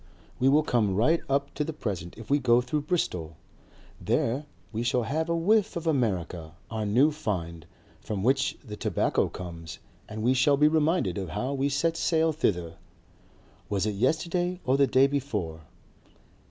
We will come right up to the present if we go through Bristol. There we shall have a whiff of America, our new find, from which the tobacco comes, and we shall be reminded of how we set sail thither was it yesterday or the day before?